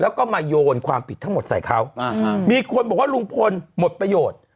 แล้วก็มาโยนความผิดทั้งหมดใส่เขาอ่าฮะมีคนบอกว่าลุงพลหมดประโยชน์